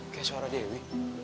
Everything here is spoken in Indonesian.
kayak suara dewi